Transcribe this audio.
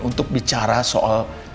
untuk bicara soal